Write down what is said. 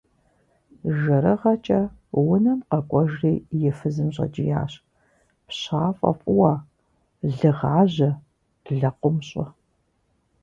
ЖэрыгъэкӀэ унэм къэкӀуэжри и фызым щӀэкӀиящ: - ПщафӀэ фӀыуэ! Лы гъажьэ! Лэкъум щӀы!